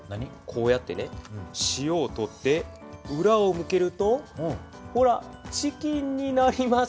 こうやってしおを取ってうらを向けるとほらチキンになります。